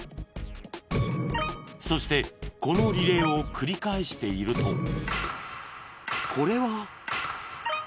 ［そしてこのリレーを繰り返していると］